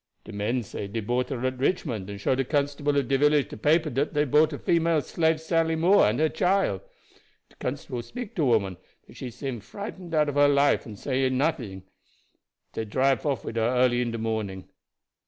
De men say dey bought her at Richmond, and show de constable of de village de paper dat dey had bought a female slave Sally Moore and her chile. De constable speak to woman, but she seem frightened out of her life and no say anything. Dey drive off wid her early in de morning.